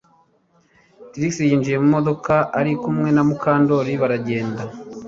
Trix yinjiye mu modoka ari kumwe na Mukandoli baragenda